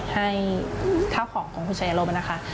ให้ข้าวของของคุณชายลมนะคะ